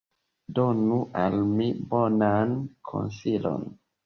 Donu al mi bonan konsilon.